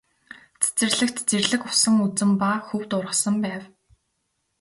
Цэцэрлэгт зэрлэг усан үзэм ба хөвд ургасан байв.